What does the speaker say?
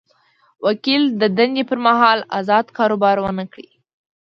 وکیل د دندې پر مهال ازاد کاروبار ونه کړي.